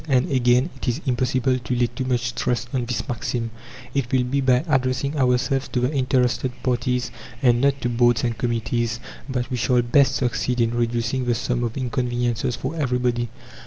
And again it is impossible to lay too much stress on this maxim it will be by addressing ourselves to the interested parties, and not to boards and committees, that we shall best succeed in reducing the sum of inconveniences for everybody.